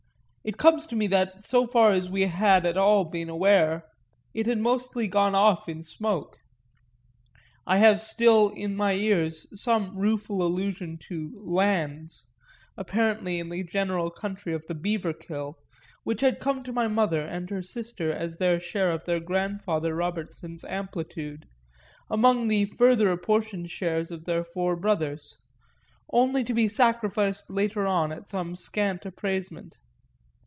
It comes to me that so far as we had at all been aware it had mostly gone off in smoke: I have still in my ears some rueful allusion to "lands," apparently in the general country of the Beaverkill, which had come to my mother and her sister as their share of their grandfather Robertson's amplitude, among the further apportioned shares of their four brothers, only to be sacrificed later on at some scant appraisement.